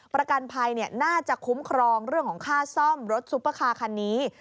ประกันภัยน่าจะคุ้มครองเรื่องของค่าซ่อมรถซุปเปอร์คาร์คันนี้